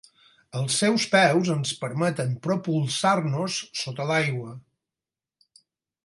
Els seus peus ens permeten propulsar-nos sota l'aigua.